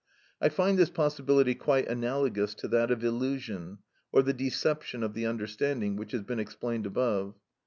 I find this possibility quite analogous to that of illusion, or the deception of the understanding, which has been explained above.